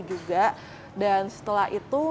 juga dan setelah itu